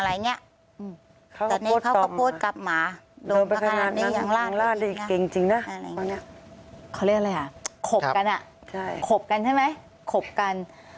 เขาเรียกอะไรอ่ะขบกันอ่ะขบกันใช่ไหมขบกัน